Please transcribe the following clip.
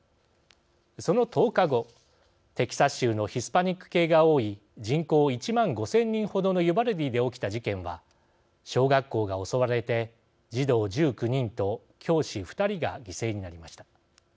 その１０日後、テキサス州のヒスパニック系が多い人口１万５０００人ほどのユバルディで起きた事件は小学校が襲われて児童１９人と教師２人が犠牲になりました。